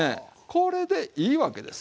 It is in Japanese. これでいいわけですよ。